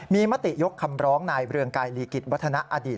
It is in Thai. มีมติยกคำร้องนายเรืองไกรลีกิจวัฒนาอดีต